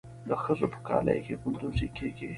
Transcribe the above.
د ښځو په کالیو کې ګلدوزي کیږي.